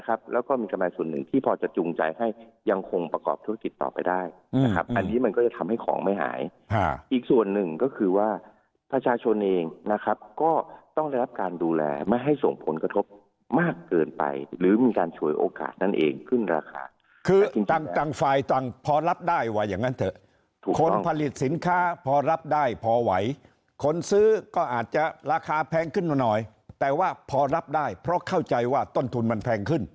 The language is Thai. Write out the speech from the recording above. ครับแล้วก็มีกำลังส่วนหนึ่งที่พอจะจุงใจให้ยังคงประกอบธุรกิจต่อไปได้นะครับอันนี้มันก็จะทำให้ของไม่หายอีกส่วนหนึ่งก็คือว่าประชาชนเองนะครับก็ต้องได้รับการดูแลไม่ให้ส่งผลกระทบมากเกินไปหรือมีการช่วยโอกาสนั่นเองขึ้นราคาคือตังค์ตังค์ฝ่ายตังค์พอรับได้ว่าอย่างนั้นเถอะถ